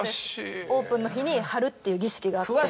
オープンの日に貼るっていう儀式があって。